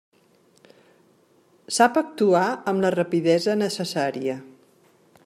Sap actuar amb la rapidesa necessària.